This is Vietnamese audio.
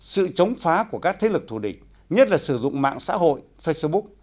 sự chống phá của các thế lực thù địch nhất là sử dụng mạng xã hội facebook